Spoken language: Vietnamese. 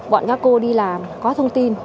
bọn các cô đi làm có thông tin